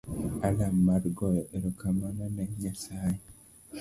Alam mar goyo erokamano ne nyasaye.